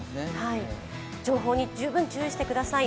情報に十分気をつけてください。